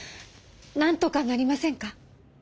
なんとかなりませんか？